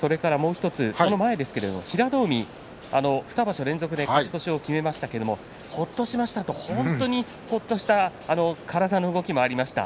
その前ですが平戸海２場所連続で勝ち越しを決めましたけれどほっとしましたと本当にほっとした体の動きがありました。